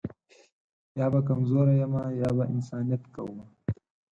یا به کمزوری یمه یا به انسانیت کومه